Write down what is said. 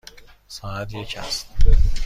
ساعت یک است.